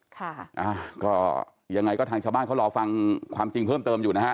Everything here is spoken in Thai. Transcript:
ค่ะอ่าก็ยังไงก็ทางชาวบ้านเขารอฟังความจริงเพิ่มเติมอยู่นะฮะ